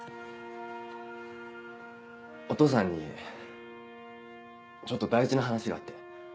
お父さんにちょっと大事な話があって。